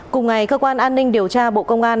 cùng ngày cơ quan an ninh điều tra bộ công an